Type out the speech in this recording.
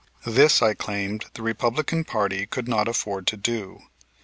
This, I claimed, the Republican party could not afford to do.